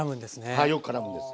はいよくからむんです。